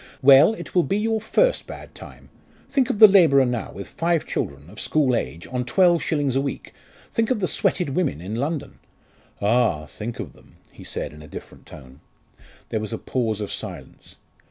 "Well, it will be your first bad time! Think of the labourer now, with five children, of school age, on twelve shillings a week think of the sweated women in London." "Ah, think of them," he said in a different tone. There was a pause of silence.